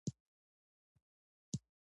نهه اتیا یمه پوښتنه د کمیسیون اهداف بیانوي.